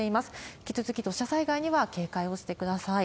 引き続き土砂災害には警戒をしてください。